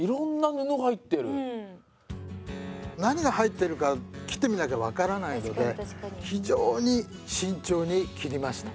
何が入っているか切ってみなきゃ分からないので非常に慎重に切りました。